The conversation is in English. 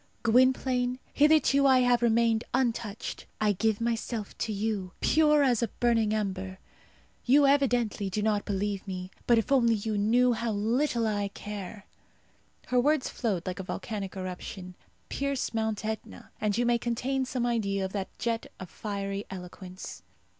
Gwynplaine, hitherto I have remained untouched; I give myself to you, pure as a burning ember. You evidently do not believe me; but if you only knew how little I care!" Her words flowed like a volcanic eruption. Pierce Mount Etna, and you may obtain some idea of that jet of fiery eloquence.